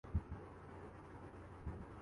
جتنا کہ ان کے اپنے اصولوں کے تحت۔